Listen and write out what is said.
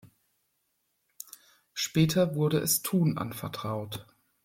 Später wurde es Thun anvertraut.